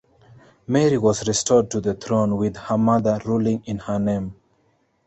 Mary was restored to the throne, with her mother ruling in her name.